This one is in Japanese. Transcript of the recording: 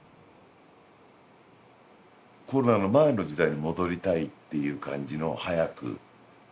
コロナの前の時代に戻りたいっていう感じの早く。